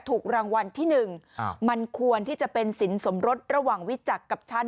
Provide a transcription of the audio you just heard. ถูกรางวัลที่๑มันควรที่จะเป็นสินสมรสระหว่างวิจักรกับฉัน